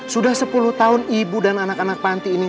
sudah sepuluh tahun ibu dan anak anak panti ini